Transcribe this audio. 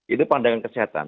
itu pandangan kesehatan